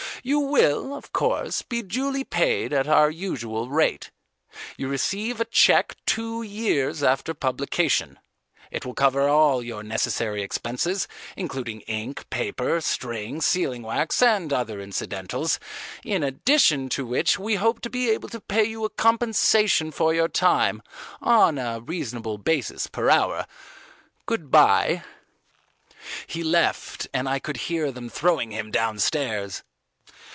"You will, of course, be duly paid at our usual rate. You receive a cheque two years after publication. It will cover all your necessary expenses, including ink, paper, string, sealing wax and other incidentals, in addition to which we hope to be able to make you a compensation for your time on a reasonable basis per hour. Good bye." He left, and I could hear them throwing him downstairs.